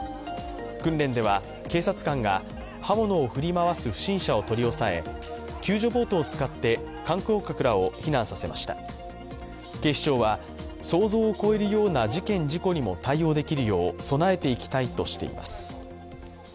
訓練では警察官が刃物を振り回す不審者を取り押さえ、救助ボートを使って観光客らを避難させました警視庁は想像を超えるような事件・事故にも対応できるよう備えていきたいとしています。